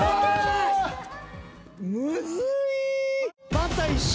また一緒？